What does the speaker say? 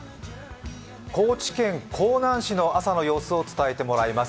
高知県香南市の朝の様子を伝えてもらいます。